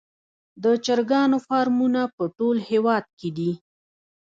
د چرګانو فارمونه په ټول هیواد کې دي